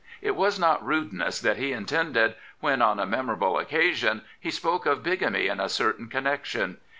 It was not rudeness that he intended when, on a memorable occasion, he spoke of bigamy in a certain connection.